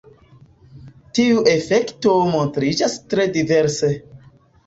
Tiu efekto montriĝas tre diverse.